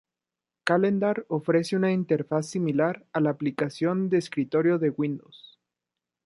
Calendar ofrece una interfaz similar a la aplicación de escritorio de Windows.